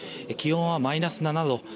気温はマイナス７度。